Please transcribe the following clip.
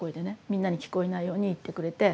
みんなに聞こえないように言ってくれて。